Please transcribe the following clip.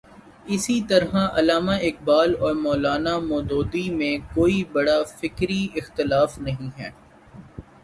اسی طرح علامہ اقبال اور مو لا نا مو دودی میں کوئی بڑا فکری اختلاف نہیں ہے۔